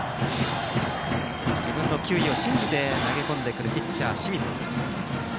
自分の球威を信じて投げ込んでくるピッチャー、清水。